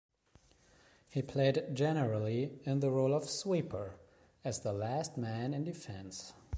He played generally in the role of sweeper, as the last man in defence.